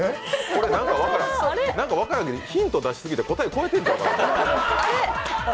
何か分からんけど、ヒント出しすぎて、答え超えてるかも分からん。